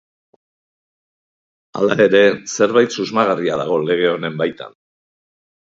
Hala ere, zerbait susmagarria dago lege honen baitan.